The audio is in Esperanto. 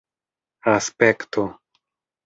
aspekto